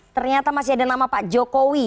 ternyata masih ada nama pak jokowi